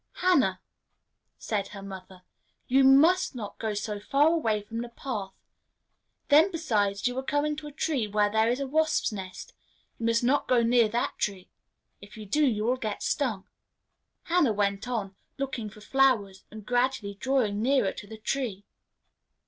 "Hannah," said her mother, "you must not go so far away from the path. Then, besides, you are coming to a tree where there is a wasps' nest. You must not go near that tree; if you do, you will get stung." Hannah went on, looking for flowers, and gradually drawing nearer to the tree.